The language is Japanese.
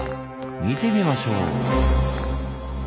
見てみましょう！